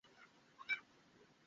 Sir, এটা কোন সমস্যা নয়।